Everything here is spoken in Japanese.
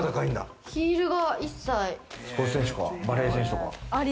スポーツ選手とか、バレー選手とか？